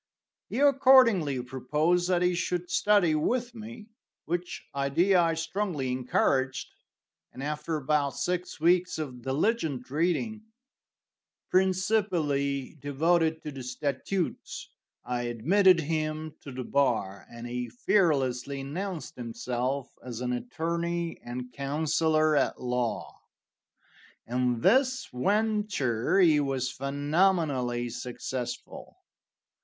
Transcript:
He accordingly proposed that he should study with me, which idea I strongly encouraged, and after about six weeks of diligent reading, principally devoted to the statutes, I admitted him to the bar, and he fearlessly announced himself as an attorney and counselor at law. In this venture he was phenomenally successful.